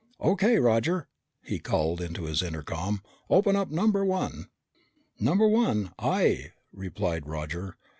"O.K., Roger!" he called into his intercom. "Open up number one." "Number one, aye," replied Roger.